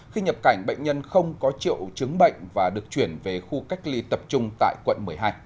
khi nhập cảnh bệnh nhân không có triệu chứng bệnh và được chuyển về khu cách ly tập trung tại quận một mươi hai